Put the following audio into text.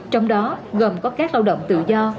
trong đó gồm có các lao động tự do